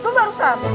itu baru kan